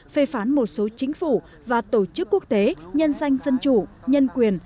phê phán một số chính phủ và tổ chức quốc tế nhân danh dân chủ nhân quyền